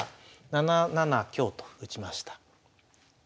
７七香と打ちました。